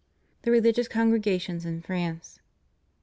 THE RELIGIOUS CONGREGATIONS IN FRANCE.